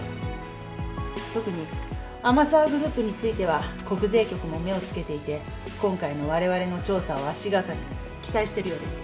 特に天沢グループについては国税局も目を付けていて今回のわれわれの調査を足掛かりに期待してるようです。